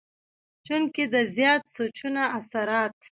چونکه د زيات سوچونو اثرات